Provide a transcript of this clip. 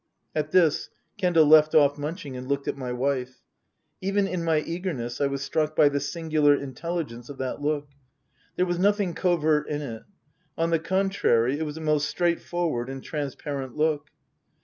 At this Kendal left off munching and looked at my wife. Even in my eagerness I was struck by the singular intelligence of that look. There was nothing covert in it. On the contrary it was a most straightforward and transparent look.